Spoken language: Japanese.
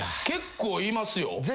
結構いますよ。